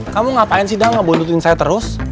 kamu ngapain sih udah ga buntutin saya terus